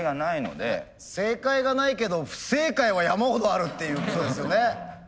正解がないけど不正解は山ほどあるっていうことですよね。